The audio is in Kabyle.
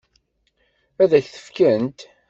Ad k-t-fkent?